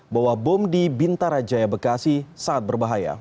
bahwa bom di bintara jaya bekasi sangat berbahaya